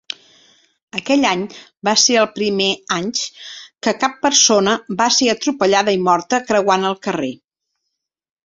Aquell any va ser el primer anys que cap persona va ser atropellada i morta creuant el carrer.